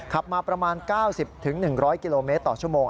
ขับมาประมาณ๙๐๑๐๐กิโลเมตรต่อชั่วโมง